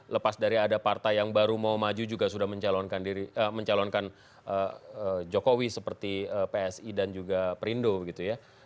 lepas dari ada partai yang baru mau maju juga sudah mencalonkan jokowi seperti psi dan juga perindo begitu ya